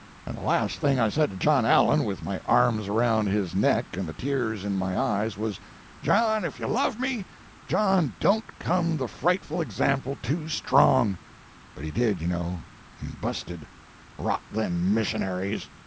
And the last thing I said to John Allen, with my arms around his neck and the tears in my eyes, was, 'John, if you love me; John, don't come the frightful example too strong.' But he did, you know, and busted—rot them missionaries!"